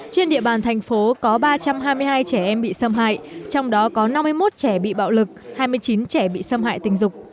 trên địa bàn thành phố có ba trăm hai mươi hai trẻ em bị xâm hại trong đó có năm mươi một trẻ bị bạo lực hai mươi chín trẻ bị xâm hại tình dục